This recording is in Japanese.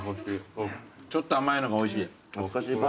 ちょっと甘いのがおいしい。